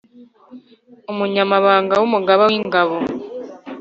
Umunyamabanga w umugaba w ingabo